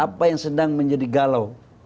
apa yang sedang menjadi galau